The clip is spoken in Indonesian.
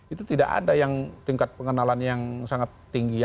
itu tidak ada yang tingkat pengenalan yang sangat tinggi ya